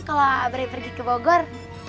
kalau abri pergi ke bogor